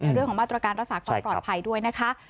เรื่องของมาตรการรักษาความปลอดภัยด้วยนะคะ